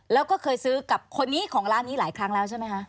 แล้วก็เคยซื้อกับคนนี้ของร้านนี้หลายครั้งแล้วใช่ไหมคะ